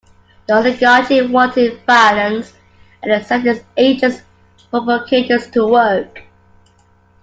The Oligarchy wanted violence, and it set its agents provocateurs to work.